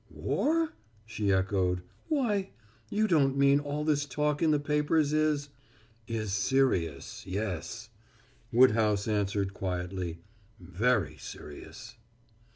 "War?" she echoed. "Why, you don't mean all this talk in the papers is " "Is serious, yes," Woodhouse answered quietly. "Very serious."